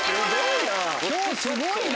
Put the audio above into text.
今日すごいな！